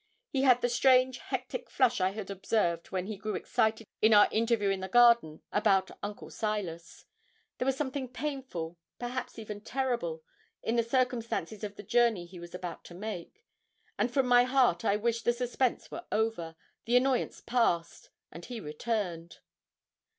He had the strange hectic flush I had observed when he grew excited in our interview in the garden about Uncle Silas. There was something painful, perhaps even terrible, in the circumstances of the journey he was about to make, and from my heart I wished the suspense were over, the annoyance past, and he returned.